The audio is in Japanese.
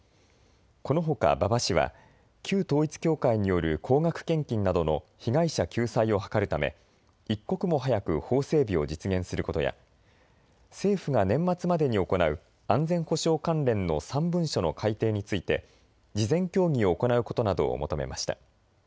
このほか馬場氏は旧統一教会による高額献金などの被害者救済を図るため一刻も早く法整備を実現することや政府が年末までに行う安全保障関連の３文書の改定について事前協議を行うことなどを求めました。